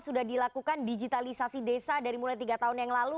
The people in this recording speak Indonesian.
sudah dilakukan digitalisasi desa dari mulai tiga tahun yang lalu